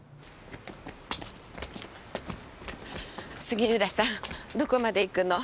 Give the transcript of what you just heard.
杉浦さんどこまで行くの？